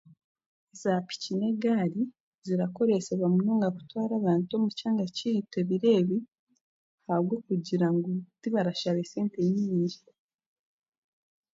Zaapiki n'egaari zirakoresibwa munonga kutwara abantu omu kyanga kyaitu ebiro ebi ahabwokugira ngu tibarashaba esente nyaingi